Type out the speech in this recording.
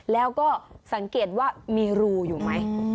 แล้วก็สังเกตว่ามีรูอยู่ไหม